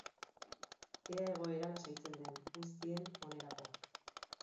Ea egoera lasaitzen den, guztien onerako.